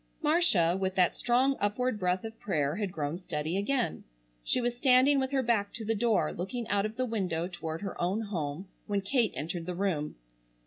Marcia, with that strong upward breath of prayer had grown steady again. She was standing with her back to the door looking out of the window toward her own home when Kate entered the room.